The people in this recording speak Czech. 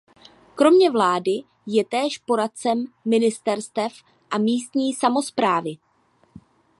Kromě vlády je též poradcem ministerstev a místní samosprávy.